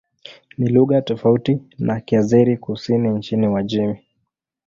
Ni lugha tofauti na Kiazeri-Kusini nchini Uajemi.